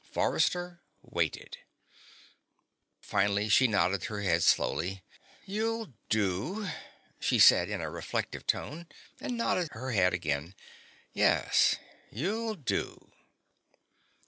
Forrester waited. Finally she nodded her head slowly. "You'll do," she said, in a reflective tone, and nodded her head again. "Yes, you'll do."